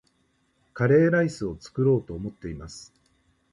カレーライスを作ろうと思っています